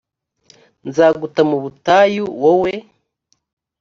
nzaguta mu butayu wowe